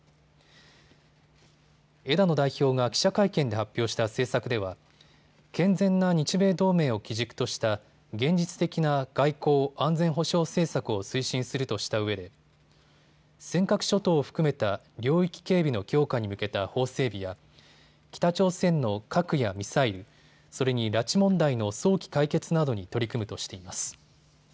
枝野代表が記者会見で発表した政策では健全な日米同盟を基軸とした現実的な外交・安全保障政策を推進するとしたうえで尖閣諸島を含めた領域警備の強化に向けた法整備や北朝鮮の核やミサイル、それに拉致問題の早期解決などに取り組むとしています。